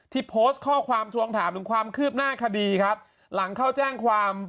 โพสต์ข้อความทวงถามถึงความคืบหน้าคดีครับหลังเข้าแจ้งความ